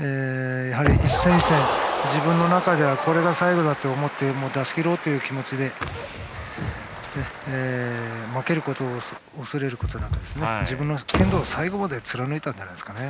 一戦一戦、自分の中でこれが最後だと思って出し切ろうという気持ちで負けることを恐れることなく自分の剣道を最後まで貫いたんじゃないでしょうか。